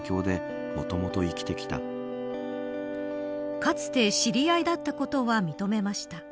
かつて知り合いだったことは認めました。